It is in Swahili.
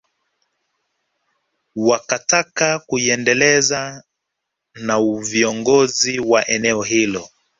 Wakataka kuiendeleza na viongozi wa eneo hilo